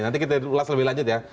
nanti kita ulas lebih lanjut ya